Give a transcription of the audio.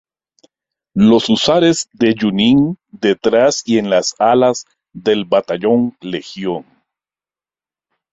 Los Húsares de Junín, detrás y en las alas del batallón Legión.